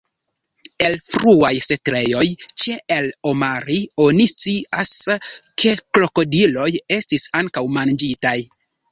El fruaj setlejoj ĉe el-Omari oni scias, ke krokodiloj estis ankaŭ manĝitaj.